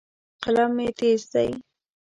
قلم مې تیز دی.